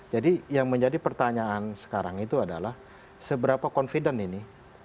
jadi yang menjadi pertanyaan sekarang itu adalah seberapa confident ini